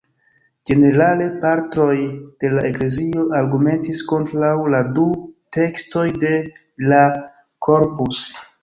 Ĝenerale Patroj de la Eklezio argumentis kontraŭ la du tekstoj de la Corpus.